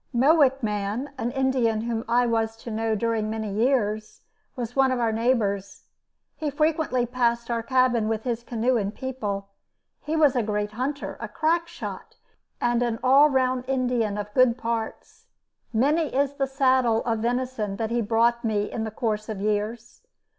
Mowich Man, an Indian whom I was to know during many years, was one of our neighbors. He frequently passed our cabin with his canoe and people. He was a great hunter, a crack shot, and an all round Indian of good parts. Many is the saddle of venison that he brought me in the course of years.